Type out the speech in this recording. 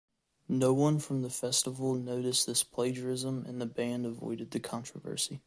No one from the festival noticed this plagiarism and the band avoided the controversy.